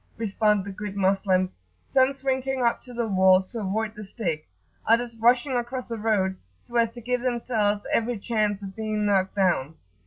respond the good Moslems, some shrinking up to the walls to avoid the stick, others rushing across the road, so as to give themselves every chance of being knocked down.